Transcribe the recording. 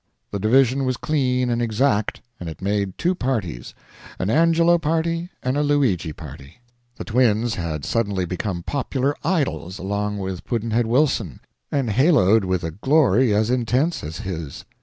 The division was clean and exact, and it made two parties, an Angelo party and a Luigi party. The twins had suddenly become popular idols along with Pudd'nhead Wilson, and haloed with a glory as intense as his.